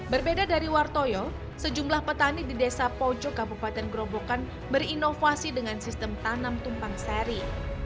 berbeda dari wartoyo sejumlah petani di desa pojok kabupaten gerobokan berinovasi dengan sistem tanam tumpang seri